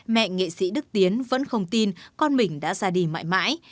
mẹ nghệ sĩ đức tiến vẫn không tin con mình đã ra đi mãi mãi